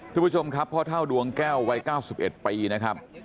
ทุกผู้ชมครับพ่อเท่าดวงแก้ววัย๙๑ปีนะครับ